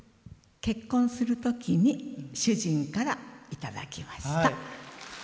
結婚するときに主人からいただきました。